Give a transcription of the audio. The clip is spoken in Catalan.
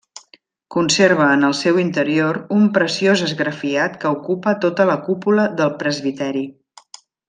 Conserva en el seu interior un preciós esgrafiat que ocupa tota la cúpula del presbiteri.